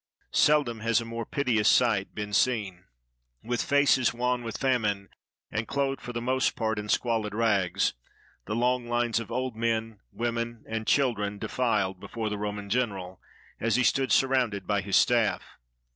Seldom has a more piteous sight been 292 THE FALL OF CARTHAGE seen. With faces wan with famine, and clothed, for the most part, in squalid rags, the long lines of old men, women, and children defiled before the Roman general as he stood surrounded by his staff.